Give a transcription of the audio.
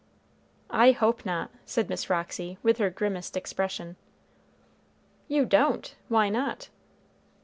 "I hope not," said Miss Roxy, with her grimmest expression. "You don't! Why not?"